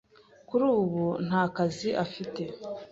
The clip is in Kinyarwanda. kuri ubu nta kazi afite.